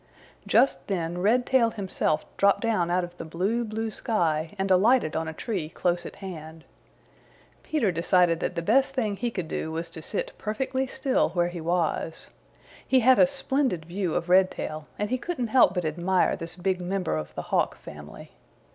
Just then Redtail himself dropped down out of the blue, blue sky and alighted on a tree close at hand. Peter decided that the best thing he could do was to sit perfectly still where he was. He had a splendid view of Redtail, and he couldn't help but admire this big member of the Hawk family.